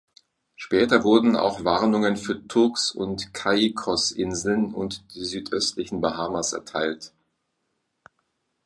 Später wurden auch Warnungen für Turks- und Caicosinseln und die südöstlichen Bahamas erteilt.